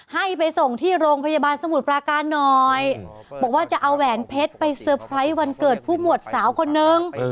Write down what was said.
ให้ไปส่งที่โรงพยาบาลสมุทรปราการหน่อยบอกว่าจะเอาแหวนเพชรไปเซอร์ไพรส์วันเกิดผู้หมวดสาวคนนึง